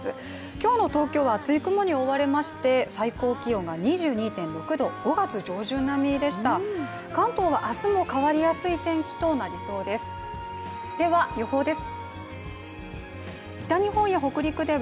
今日の東京は厚い雲に覆われまして最高気温が２２．６度、５月上旬並みでした関東は明日も変わりやすい天気となりそうですでは予報です。